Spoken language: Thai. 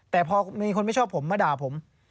แต่พอมีคนไม่ชอบผมมาด่าผม